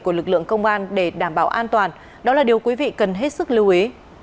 của lực lượng công an để đảm bảo an toàn đó là điều quý vị cần hết sức lưu ý